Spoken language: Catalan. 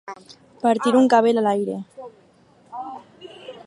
Partir un cabell a l'aire.